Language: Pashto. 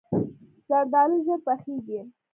زردالو ژر پخیږي.